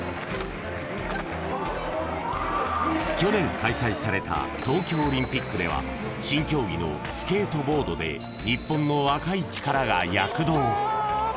［去年開催された東京オリンピックでは新競技のスケートボードで日本の若い力が躍動］